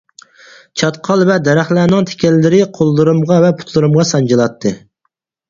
چاتقال ۋە دەرەخلەرنىڭ تىكەنلىرى قوللىرىمغا ۋە پۇتلىرىمغا سانجىلاتتى.